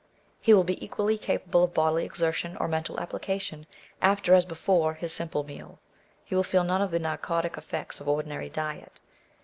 He will be equally capable of bodily exertion or mental application after as before his simple meal. He will feel none of the narcotic effects of ordinary diet.